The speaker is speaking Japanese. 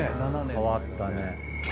変わったね。